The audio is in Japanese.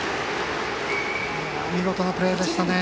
見事なプレーでしたね。